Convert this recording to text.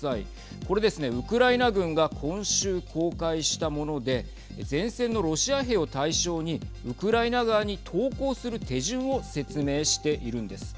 これですね、ウクライナ軍が今週公開したもので前線のロシア兵を対象にウクライナ側に投降する手順を説明しているんです。